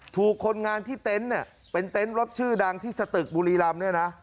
คนงานที่เต็นต์เนี่ยเป็นเต็นต์รถชื่อดังที่สตึกบุรีรำเนี่ยนะ